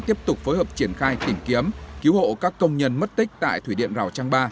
tiếp tục phối hợp triển khai tìm kiếm cứu hộ các công nhân mất tích tại thủy điện rào trang ba